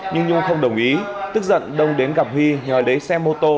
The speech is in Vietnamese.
nhưng nhung không đồng ý tức giận đông đến gặp huy nhờ lấy xe mô tô